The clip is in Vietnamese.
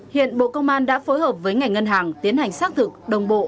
hiện bộ công an đã phối hợp với ngành ngân hàng tiến hành xác thực đồng bộ